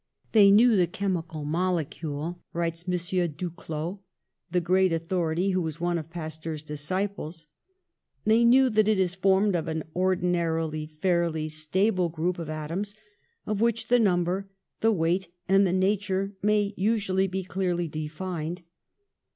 ^They knew the chemical molecule/' writes M. Duclaux, the great authority who was one of Pasteur's disciples; "they knew that it is formed of an ordinarily fairly stable group of atoms, of which the number, the v/eight and the nature may usually be clearly defined.